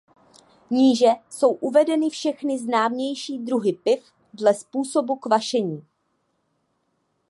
Níže jsou uvedeny všechny známější druhy piv dle způsobu kvašení.